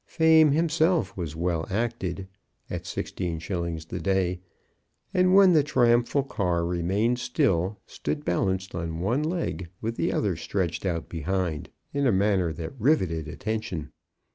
Fame himself was well acted, at 16_s._ the day, and when the triumphal car remained still, stood balanced on one leg, with the other stretched out behind, in a manner that riveted attention.